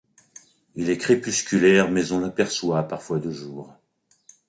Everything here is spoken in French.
Il est crépusculaire mais on l'aperçoit parfois de jour.